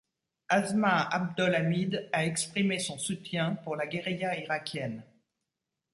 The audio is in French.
Asmaa Abdol-Hamid a exprimé son soutien pour la guérilla irakienne.